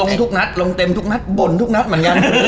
บ่นทุกนัตรเหมือนกัน